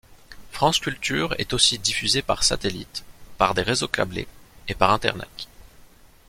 France Culture est aussi diffusée par satellite, par des réseaux câblés, et par Internet.